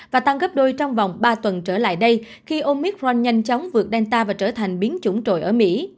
và tăng gấp đôi trong vòng ba tuần trở lại đây khi omicron nhanh chóng vượt delta và trở thành biến chủng ở mỹ